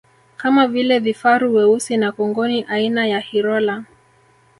Kama vile vifaru weusi na kongoni aina ya Hirola